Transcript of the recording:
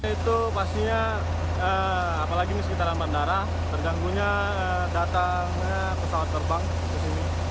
itu pastinya apalagi di sekitaran bandara terganggunya datang pesawat terbang ke sini